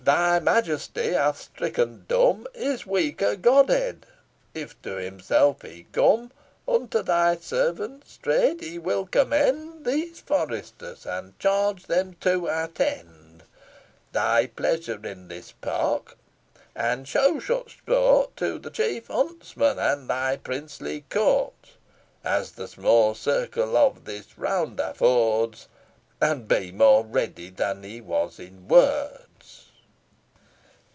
thy Majesty hath stricken dumb His weaker god head; if to himself he come, Unto thy service straight he will commend These foresters, and charge them to attend Thy pleasure in this park, and show such sport; To the chief huntsman and thy princely court, As the small circle of this round affords, And be more ready than he was in words."